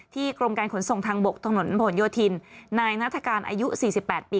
ที่กรมการขนส่งทางบกถนนผลโยธินนายนาธการอายุสี่สิบแปดปี